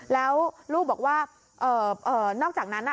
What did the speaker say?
แล้วลูกบอกว่านอกจากนั้น